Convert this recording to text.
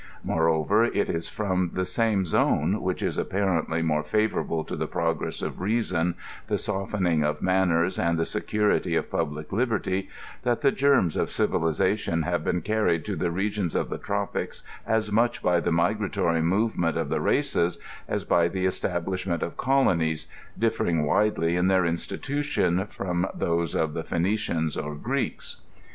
Moreover, it is from the same zone (which is apparently more favorable to the progress of reason, the softening of manners, and the security of public liberty) that the germs of civiliza tion have been carried to the regions of the tropics, as much by the migratory movement of races as by the establishment of colonies, differing widely in their institution from those of the PhcEnicians or Greeks.